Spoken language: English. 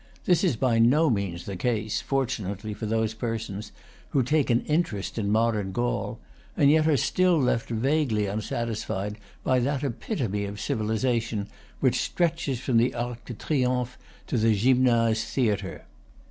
This is by no means the case, fortun ately for those persons who take an interest in modern Gaul, and yet are still left vaguely unsatisfied by that epitome of civilization which stretches from the Arc de Triomphe to the Gymnase theatre.